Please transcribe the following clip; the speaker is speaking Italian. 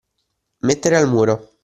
Mettere al muro.